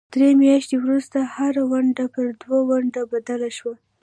درې میاشتې وروسته هره ونډه پر دوو ونډو بدله شوه.